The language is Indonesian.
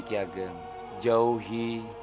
ki ageng jauhi